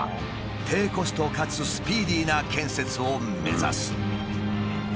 低コストかつスピーディーな建設を目指す。